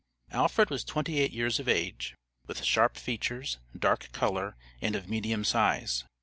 Alfred was twenty eight years of age, with sharp features, dark color, and of medium size.